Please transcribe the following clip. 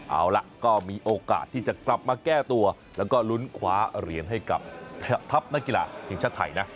เอาล่ะก็มีโอกาสที่จะกลับมาแก้ตัวแล้วก็ลุ้นคว้าเหรียญให้กับทัพนักกีฬาทีมชาติไทยนะ